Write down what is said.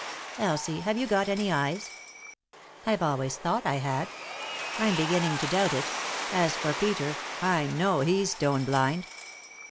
" Elsie, have you got any eyes ?" "I've always thought I had." " I'm beginning to doubt it As for Peter, I know he's stone blind."